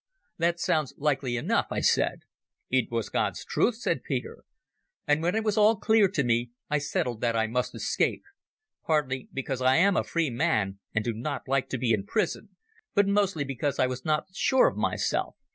"That sounds likely enough," I said. "It was God's truth," said Peter. "And when it was all clear to me I settled that I must escape. Partly because I am a free man and do not like to be in prison, but mostly because I was not sure of myself.